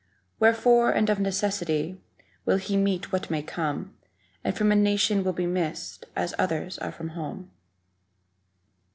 Wherefore, and of necessity. Will he meet what may come; And from a nation will be missed As others are from home.